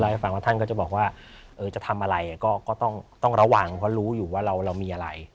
ให้ฟังว่าท่านก็จะบอกว่าจะทำอะไรก็ต้องระวังเพราะรู้อยู่ว่าเรามีอะไร